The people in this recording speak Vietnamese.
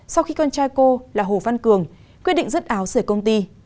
sau khi con trai cô là hồ văn cường quyết định rứt áo sửa công ty